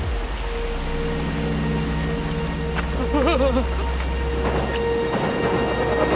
うわ。